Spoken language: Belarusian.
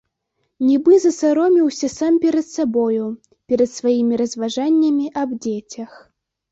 Нібы засаромеўся сам перад сабою, перад сваімі разважаннямі аб дзецях.